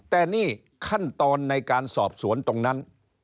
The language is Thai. แต่นี่ขั้นตอนในการสอบสวนตรงนั้น